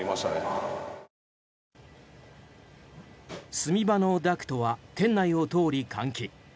炭場のダクトは店内を通り換気。